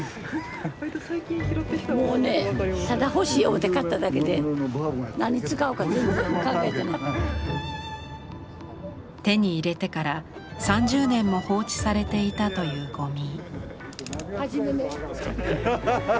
もうね手に入れてから３０年も放置されていたというゴミ。